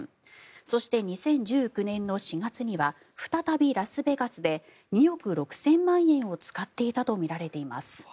そして、２０１９年の４月には再びラスベガスで２億６０００万円を使っていたとみられています。